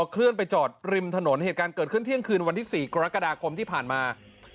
เคลื่อนไปจอดริมถนนเหตุการณ์เกิดขึ้นเที่ยงคืนวันที่๔กรกฎาคมที่ผ่านมา